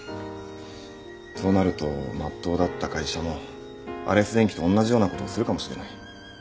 となるとまっとうだった会社もアレス電機とおんなじようなことをするかもしれない。